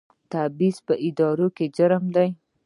تبعیض په اداره کې جرم دی